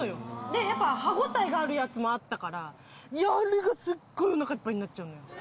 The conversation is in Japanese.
やっぱ歯応えがあるやつもあったからすっごいおなかいっぱいになっちゃうのよ。